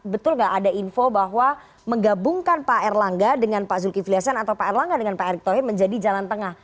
betul nggak ada info bahwa menggabungkan pak erlangga dengan pak zulkifli hasan atau pak erlangga dengan pak erick thohir menjadi jalan tengah